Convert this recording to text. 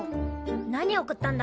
何を送ったんだ？